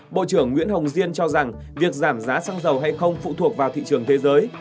bộ trưởng nguyễn hồng diên cho rằng việc giảm giá xăng dầu hay không phụ thuộc vào thị trường thế giới